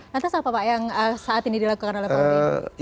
lantas apa pak yang saat ini dilakukan oleh pak benn